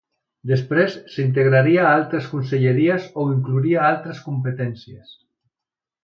Després s'integraria a altres conselleries o inclouria altres competències.